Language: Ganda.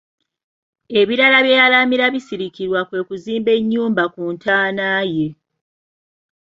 Ebirala bye yalaamira Bisirikirwa kwe kuzimba ennyumba ku ntaana ye.